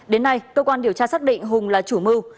đến nay cơ quan điều tra xác định hùng là chủ mưu